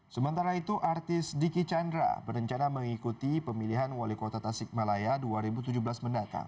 sementara itu artis diki chandra berencana mengikuti pemilihan wali kota tasik malaya dua ribu tujuh belas mendatang